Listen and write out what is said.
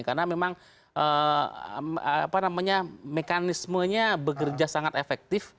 karena memang mekanismenya bekerja sangat efektif